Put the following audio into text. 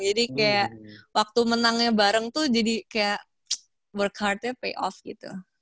jadi kayak waktu menangnya bareng tuh jadi kayak work hardnya pay off gitu